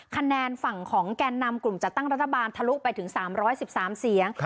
คะแนนฝั่งของแกนนำกลุ่มจัดตั้งรัฐบาลทะลุไปถึง๓๑๓เสียง